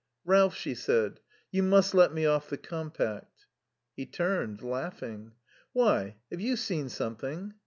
"Ralph," she said, "you must let me off the compact." He turned, laughing. "Why, have you seen something?"